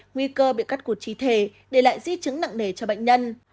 nguy cơ bị cắt cuộc trí thề để lại di chứng nặng nề cho bệnh nhân